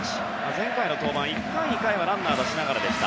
前回の登板は１回、２回はランナーを出しながらでした。